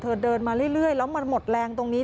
เดินมาเรื่อยแล้วมันหมดแรงตรงนี้